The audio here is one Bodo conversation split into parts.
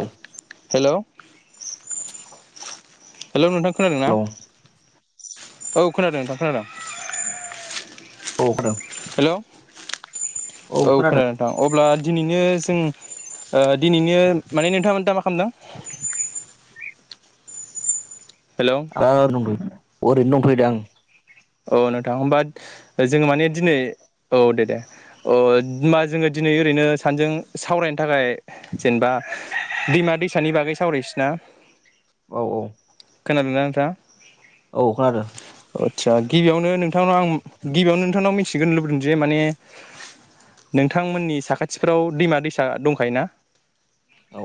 औ हेल' हेल' नोंथां खोनादों ना हेलौ औ खोनादों नोंथां खोनादों औ खोनादों हेल' औ खोनादों नोंथां अब्ला दिनैनो उ ओ दिनैनो माने नोंथांमोन दा मा खालामदों हेलौ ओ नंगौ एरैनो दंथयो दे आं औ नोंथां होमबा जोङो माने दिनै औ दे दे अ होमबा जोङो दिनै ओरैनो सानजों सावरायनो थाखाय जेनेबा दैमा दैसानि बागै सावरायसैना [inaudible] औ औ खोनादोंना नोंथां औ खोनादों आदसा गिबियावनो नोंथांनाव आं गिबियावनो नोंथांनाव मिथिग्रोनो लुबैदों जे माने नोंथांमोननि साखाथिफोराव दैमा दैसा दंखायो ना औ।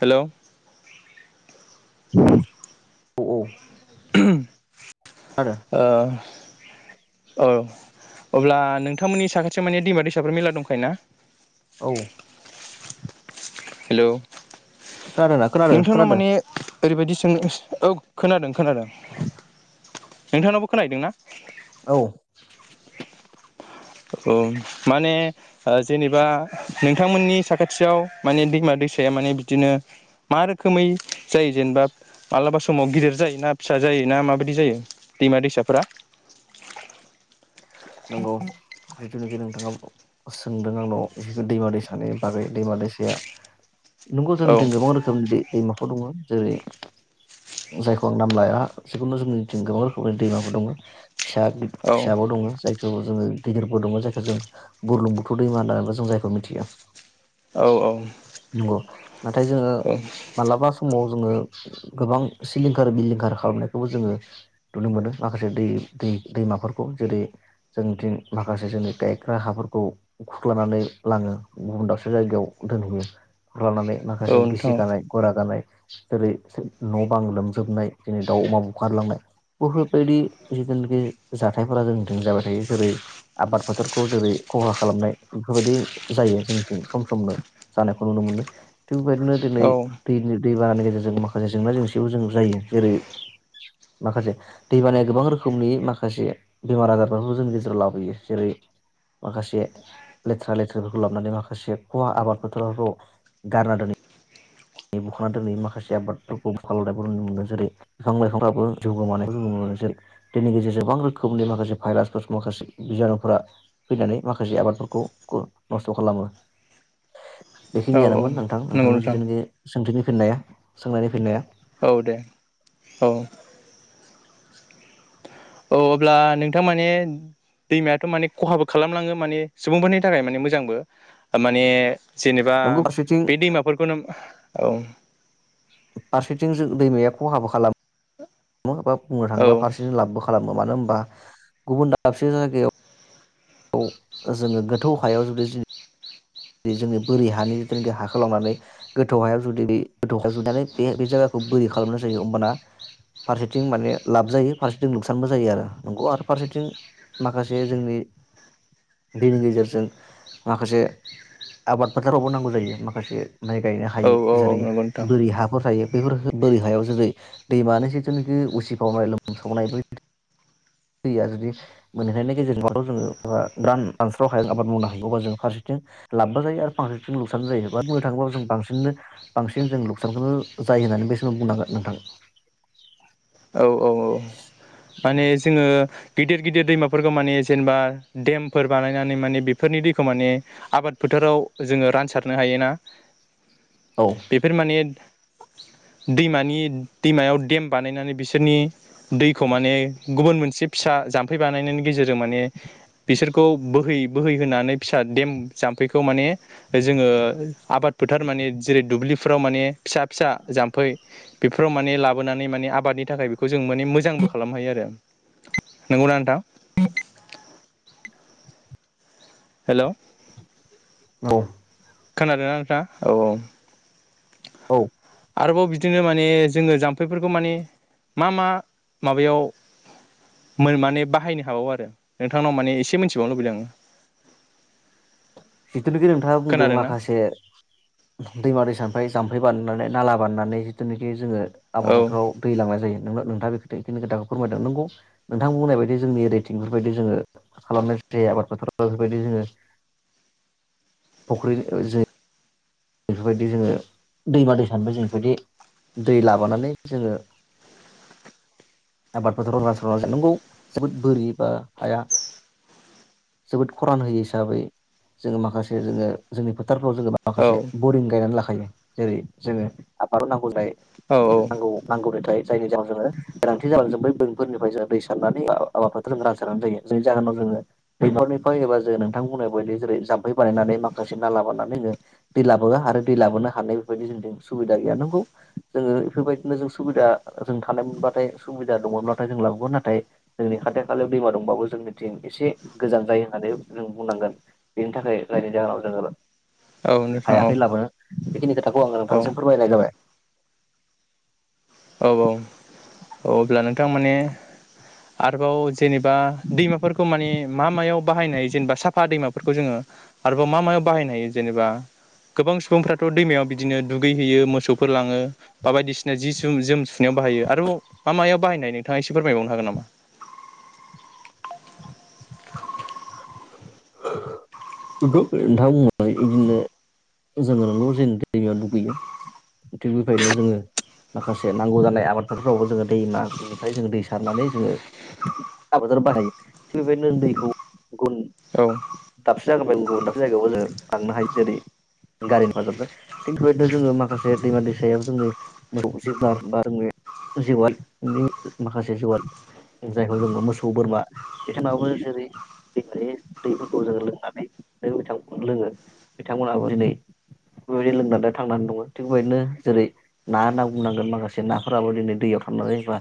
हेलौ। औ औ। [unintelligible] ओ ओ अब्ला नोंथांमोननि साखाथियाव माने दैमा दैसाफोर मेरला दंखायो ना? औ। हेलौ। खानादोना खानादो नोंथांनाव खोनादो। माने ओरैबायदि सों औ खोनादों खोनादों, नोंथांनावबो खोनाहैदों ना? औ। औ माने जेनेबा नोंथांमोननि साखाथियाव माने दैमा दैसाया माने बिदिनो मा रोखोमै जायो जेनेबा मालाबा समाव गिदिर जायो ना फिसा जायो ना माबादि जायो दैमा दैसाफोरा? नंगौ जिथुनोखि नोंथाङाव सोंदों आंनाव दैमा दैसा सानि बागै दैमा दैसाया नंगौ औ जोंनिथिं गोबां रोखोमनि दै दैमाफोर दङ। जेरै जायखौ आं नाम लाया जिखुनु जोंनिं गोबां रोखोमनि दैमाफोर दङ। फिसा औ फिसाबाव दङ जाय दङो जोङो गिदिरबोदोंमोन जायखौ जों बुरलुंबुथुर दैमा होननाबो जों जायखौ मिथियो। औ औ। नंगौ नाथाय जोङो औ मालाबा समाव जोङो गोबां सिलिंखार बिलिंखार खालामनायखौबो जोङो नुनो मोनो माखासे दै दै दैमाफोरखौ जेरै जोंनिथिं माखासे जोंनि गायग्रा हाफोरखौ खुरख्लानानै लाङो गुबुन दाबसे जायगायाव दोनहैयो। खुरख्लानानै औ माखासे नोंथां बिसि गानाय गरा गानाय जेरै न' बां लोमजोबनाय जेरै दाउ अमा बुखारलांनाय बुहुद बायदि [unintelligible] जाथायफोरा जोंनिथिं जाबाय थायो। जेरै आबाद फोथारखौ जेरै खहा खालामनाय बेफोरबायदि जायो जोंनिथिं सम समनो जानायखौ नुनो मोनो। थिग बेबायदिनो दिनै औ दैनि दै बानानि गेजेरजों माखासे जेंना जेंसिबो जों जायो। जेरै माखासे दैबानाया गोबां रोखोमनि माखासे बेमार आजारफोरखौ जोंनि गेजेर राव लाबोयो। जेरै माखासे लेथ्रा लेथ्राफोरखौ लाबनानै माखासे खहा आबाद फोथारफोराव गारना दोनै नै बुखांना दोनैयो माखासे आबादफोरखौ बुखारलांनाय नुनो मोनो। जेरै बिफां लाइफांफ्राबो जिउ गोमानायखौ जों नुनो जेरै दैनि गेजेरजों गोबां रोखोमनि माखासे भाइरासफोर माखासे बिजानुफोरा फैनानै माखासे आब बादफोरखौ क नस्थ' खालामो। [inaudible] औ औ बेखिनियानोमोन नोंथां नंगौ नोंथांनि नोंथां जिथुनाखि सोंथिनि फिननाया सोंनायनि फिननाया। औ दे औ। औ अब्ला नोंथां माने दैमायाथ' माने खहाबो खालामलाङो माने सुबुंफोरनि थाखाय माने मोजांबो माने जेनेबा नंगौ फारसेथिं बे दैमाफोरखौनो औ फारसेथिं जों दैमाया खहाबो खालामो। यो बा बुंनो औ थाङोबा फारसेथिं लाबबो खालामो। मानो होनबा गुबुन दाबसे जायगायाव जोङो गोथौ हायाव जुदि जि जोङो बोरै हानि जिथुनोकि हाखौ लांनानै गोथौ हायाव जुदि बे गोथौ हायाव जुनानै बे बे जायगाखौ बोरि खालामनाय जायो होमबाना फारसेथिं माने लाब जायो फारसेथिं लुखसानबो जायो आरो नंगौ आरो फारसेथिं माखासे जोंनि दैनि गेजेरजों माखासे आबाद फोथारावबो नांगौ जायो माखासे माइ गायनो औ हायो औ जेरै नंगौ नोंथां बोरि हाफोर थायो बेफोर बोरि हायाव जेरै दैमानि जिथुनाखि उसिफावनाय लोमसावनाय बै दैया जुदि मोनहैनायनि गेजेरजोंबाथ' जोङो गोरान रानस्राव हायाव आबाद मावनो हायो अब्ला जों फारसेथिं लाब्बो जायो आरो फारसेथिं लुकसानबो जायो बा बुंनो थाङोबाबय जों बांसिननो बांसिन जों लुकसानखौनो जायो होननानै बे समाव बुंनांगोन नोंथां औ औ औ माने जोङो गिदिर गिदिर दैमाफोरखौ माने जेनेबा देमफोर बानायनानै माने बेफोरनि दैखौ माने आबाद फोथार फोथाराव जोङो रानसारनो हायो ना औ बेफोर माने दैमानि दैमायाव देम बानायनानै बिसोरनि दैखौ माने गुबुन मोनसे फिसा जाम्फै बानायनायनि गेजेरजों माने बिसोरखौ बोहै बोहै होनानै फिसा देम जाम्फैखौ माने जोङो आबाद फोथार माने जेरै दुब्लिफ्राव माने फिसा फिसा जाम्फै बेफोराव माने लाबोनानै माने आबादनि नि थाखाय बेखौ जों माने मोजांबो खालामनो हायो आरो नंगौना नोंथां हेल' औ खोनादोंना नोंथाङा औ औ औ आरोबाव बिदिनो माने जोङो जाम्फैफोरखौ माने मा मा माबायाव माने बाहायनो हाबावो आरो नोंथांनाव माने एसे मोनथिबावनो लुबैदों आङो जिथुनिखि नोंथाङा बुंदों खोनादों ना माखासे दैमा दैसानिफ्राय जामफ जामफै बारनानै नाला बारनानै जिथुनिखि जोङो आबाद औ फोथाराव दै लांनाय जायो नों नोंथाङा बेखौ नि खोथाखौ फोरमायदों नंगौ नोंथां बुंनाय बायदि जोंनि रेटिंफोरबायायदि जोङो खालामनाय ज आबाद फोथाराव बेफोरबायदि जोङो फख्रिनि जे बेफोरबायदि जोङो दैमा दै सानिबो जों बेफोरबायदि दै लाबोनानानै जोङो आबादफोथारफोरा रानस्राव नंगौ जोबोद बोरि बा हाया जोबोद खरान होयो हिसाबै जोङो माखासे जोङो जोंनि फीथारफ्राव जोङो माखासे औ बरिं गायनानै लाखायो जेरै जोङो आबादाव नांगौ जाय औ नांगौ नांगौ मेथाय जायनि जउाव जोङो गोनांथि जाब्ला जों बै बेोंफोरनिफ्राय जो दै सारनानै आाबाफोर जों रानसारनानै जायो जायनि जाहोनाव जों बेफोरनिफ्राय एबा जों नोंथांमोननाय बायदि जेरै जाम्फै बानायनानै माखासे नाला बानायनानै जींङो दै लाबोआ आरो दै लाबोनो हानाय बेफोरबायदि जों सुबिदा गैया नांगौ जोङो बेफोरबायदिनो जों सुबिदा जों थानाय मोनबाथाय सुबिदा दङब्लााथाय जों लाबोगोन नाथाय जोंनि खाथि खालायाव दैमा दंबाबो जोंनिथिं एसे गोजान जायो होननानै जों बुंनांगोन बेनि थाखाय जायनि जाहोनाव जोङो औ नोंथां हायाखै औ लाबोनो बेखिनि खोथाखौ आं औ औ नोंथांसिम फोरमायनाय जाबाय औ औ औ अब्ला नोंथां माने आरोबाव जेनेबा दैमाफोरखौ मानिे मा मायाव बाहायनो हायो जेनेबा साफा दैमाफोरखौ जोङो आरोबाव मा मायाव बाहायनो हायो जेनेबा गोबां सुबुंफ्राथ' दैमायाव बिदिनो दुगै हैैयो मोसौफोर लाङो बा बायदिसिना जि ज जोम सुनायाव बाहायो आरोबाव मा मायाव बाहायनाय नोंथाङा एसे फोरमायबावनो हागोन नामा [inaudible] [inaudible] नोंथांङ बिदिनो जोङो नंगौ जे दैमायाव दुगैयो [unintelligible] थिग बेबायनो जोङो माखासे नांगौ जानाय आबादफोरावबो जोङो दैमानिफ्राय जो दै सारनानै जोङो बाहायो थिग बेबायदिनो दैखौ गुन औ दाबसे जागा गुबुन दाबसे जायगायावबो जोंङो थांनो हायो जेरै गारि हेफाजाबजों थिग बेबायदिनो जोङो माखासे दैमा दै सायाव जोंनि मोसौ जिबुनार बा जोंनि जिवादनि माखासे जिवाद जाय जों मोसौ बोरमा बिथाङाबो ज दै [inaudible] दैफोरखौ जोङो लोंनानै बिथांमोना लोङो बिथांमोनाबो दिनै बेबायदि लोंनानै थांनानै दङ थिग बेबायदिनो जेरै ना होनना बुंनांगोन माखासे नाफोराबो दिनै दैयाव थायो। थांनानै बा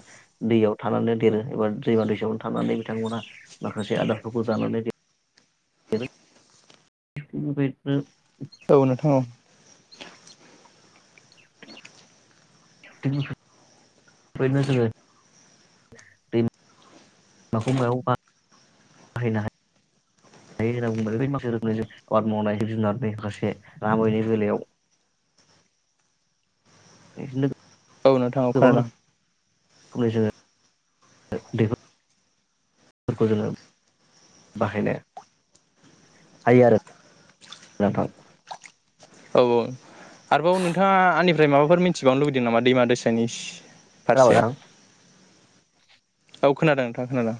दैयाव थानानै देरो एबा दैमा दैसायावनो थानानै बिथांमोना माखासे आदारफोरखौ जानानै देरो औ नोंथां औ बेबायदिनो जोंओ दै-माखौ बाहायनो हायो। दै होनना बुंब्ला है माखासेआबाद मावनाय जिब जुनारनि माखासे नामैनि बेलायाव [inaudible] बे [unintelligible] औ नोंथां औ खोनादों खैसो [unintelligible] बेफोरखौ जोङो बाहायनाय ह ह [unintelligible] औ आरोबाव नोंथाङा आंनिफ्राय माबाफोर मिथिबावनो लुुबैदों नामा दैमा दैसायनिस खाबां औ खोनादों नोंथाङां खोनादों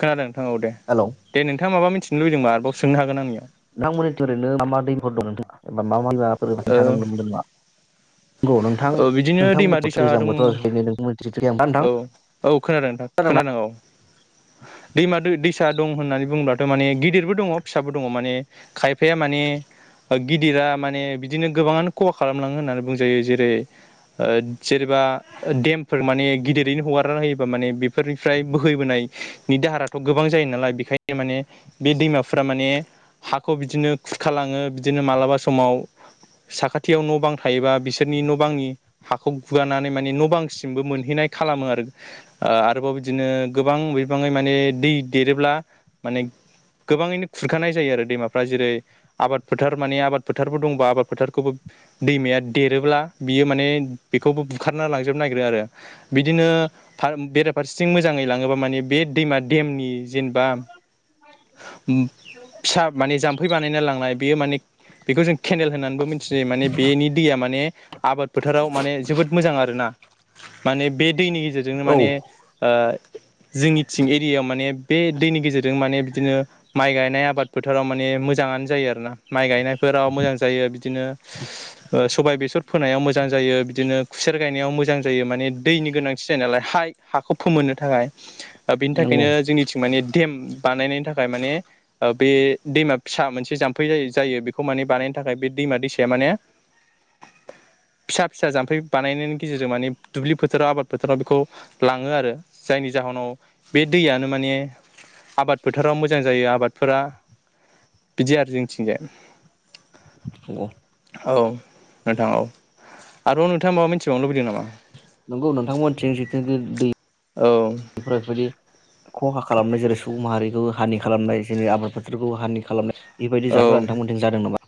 खोनादों नोंथां औ दे हेलौ दे नोंथाङा माबा मिथिनो लुबैदोंबा आरोबाव सोंनो हागोन आंनियाव। नोंथांमोननिथिं ओरैनो मा मा दैफोर ओ दं [inaudible] नंगौ नोंथां औ बिदिनो नोंथां दैमा दैसा दैज्लां दङ बोथोर नोंथां औ औ खोनादों नोंथां। खोनादोंना? खोनादों औ दैमा दै दैसा दं होननानै बुंब्ला माने गिदिरबो दङ फिसाबो दङ माने खायफाया माने गिदिरा माने बिदिनो गोबाङानो खहा खालामलाङो होननानै बुंजायो जेरै जेनेबा देमफोर माने गिदिरैनो हगारना होयोबा माने बेफोरनिफ्राय बोहैबोनाय नि दाहाराथ' गोबां जायो नालाय बेखायनो माने बे दैमाफोरा माने हाखौ बिदिनो खुरखालाङो बिदिनो मालाबा समाव साखाथियाव न' बां थायोबा बिसि बिसोरनि न' बांनि हाखौ गुगानानै माने न' बांसिमबो मोनहैनाय खालामो आरो ओ आरोबाव बेबा बिदिनो गोबां बिबाङै माने दै देरोब्ला माने गोबाङैनो खुरखानाय जायो आरो दैमाफ्रा जेरै आबाद फोथार माने आबाद फोथारबो दंबा आबाद फोथारखौबो दैमाया देर ब्ला बेयो माने बेखौबो बुखारना लांजोबनो नागिरो आरो बिदिनो फा बेरा फारसे सिं मोजाङै लाङोबा माने बे दैमा देमनि जेनेबा उम फिसा माने जाम्फै बानायना लांनाय बेयो माने बेखौ जों केनेल होननानैबो मिथियो माने बेनि दैया माने आबाद फोथाराव माने जोबोद मोजां आरोना। माने बे दैनि गेजेरनो औ माने जोंनिथिं एरियायाव माने बे दैनि गेजेरजों माने बिदिनो माइ गायनाय आबाद फोथाराव माने मोजाङानो जायो आरो ना माइ गायनायफोराव मोजां जायो बिदिनो ओ सबाय बेसर फोनायाव मोजां जायो बिदिनो खुसेर गायनायाव मोजां जायो माने दैनि गोनांथि। थि जायो नालाय हाय हाखौ फोमोननो थाखाय ओ बेनि नंगौ थाखायनो जोंनिथिं माने देम बानायनाय थाखाय माने बे दैमा फिसा मोनसे जाम्फै जायो जायो बेखौ माने बानायनो थाखाय बे दैमा दैसाया माने फिसा फिसा जाम्फै बानायनायनि गेजेरजों माने दुब्लि फोथाराव आबाद फोथाराव बेखौ लाङो आरो जायनि जाहोनाव बे दैयानो माने आबाद फोथाराव मोजां जायो आबादफोरा बिदि आरो जोंनिथिंजाय। नंगौ औ नोंथां औ आरो नोंथाङा माबा मिथिबावनो लुबैदों नामा? नंगौ नोंथांमोनथिं [inaudible] दै औ [inaudible] बायदि खहा खालामनाय जेरै सुबुं माहारिखौ हानि खालामनाय जेरै आबाद फोथारखौ हानि खालामनाय बेबायदि जा [unintelligible] फोरा औ नोंथांमोनथिं जादों नामा?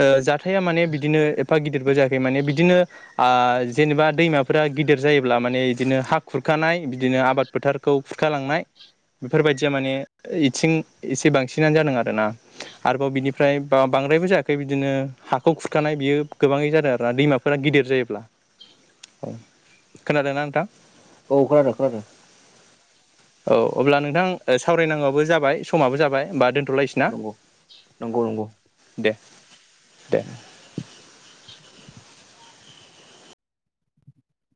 ओ जाथाया माने बिदिनो एफा गिदिरबो जायाखै माने बिदिनो आ जेनेबा दैमाफोरा गिदिर जायोब्ला माने इदिनो हा खुरखा खुरखानाय बिदिनो आबाद फोथारखौ खुरखालांनाय बेफोरबायदिया माने इथिं एसे बांसिनानो जादों आरो ना। आरोबाव बिनिफ्राय बा बांद्रायबो जाया ओमफ्राय बिदिनो हाखौ खुरखानाय बियो गोबाङै जादों आरोना दैमाफोरा गिदिर जायोब्ला। औ खोनादोंना नोंथां? औ खोनादों खोनादों। औ अब्ला नोंथां सावरायनांगौबो जाबाय समाबो जाबाय होमबा दोन थ'लायनोसै ना नंगौ नंगौ नंगौ दे दे